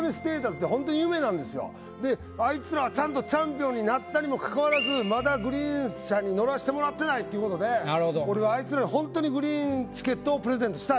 あいつらはちゃんとチャンピオンになったにもかかわらずまだグリーン車に乗らしてもらってないっていうことで俺はあいつらにホントにグリーンチケットをプレゼントしたい。